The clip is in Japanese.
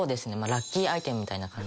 ラッキーアイテムみたいな感じ。